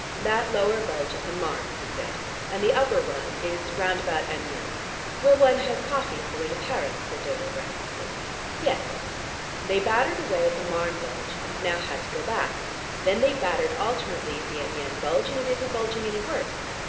"That lower bulge is the Marne," he said, "and the upper one is round about Amiens." "Where one has coffee on the way to Paris," said Dodo breathlessly. "Yes. They battered away at the Marne bulge, and have now had to go back. Then they battered alternately at the Amiens bulge, and it isn't bulging any worse.